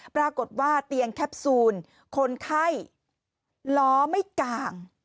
ปรากฏว่าเตียงแคปซูลคนไข้ล้อไม่กลาง